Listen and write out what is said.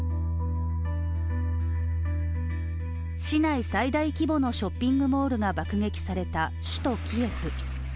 市内最大規模のショッピングモールが爆撃された首都キエフ。